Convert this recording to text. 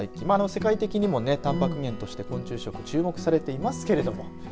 世界的にもたんぱく源として昆虫食注目されていますけれども。